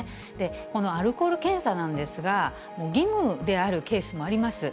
このアルコール検査なんですが、義務であるケースもあります。